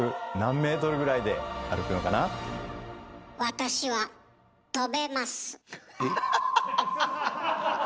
私は飛べます。